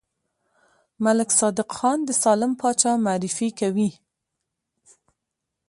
ملک صادق ځان د سالم پاچا معرفي کوي.